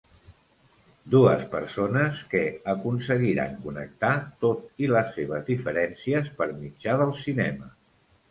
Dues persones que aconseguiran connectar, tot i les seves diferències, per mitjà del cinema.